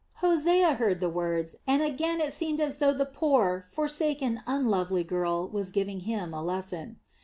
Hosea heard the words, and again it seemed as though the poor, forsaken, unlovely girl was giving him a lesson.